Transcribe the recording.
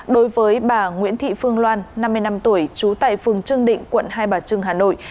đối với bà nguyễn thị phương loan năm mươi năm tuổi trú tại phường trương định quận hai bà trưng hà nội